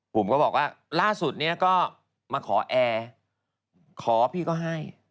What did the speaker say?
ผมก็บอกว่าล่าสุดเนี่ยก็มาขอแอร์ขอพี่ก็ให้